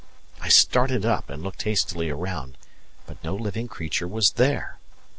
I started up and looked hastily around, but no living creature was there.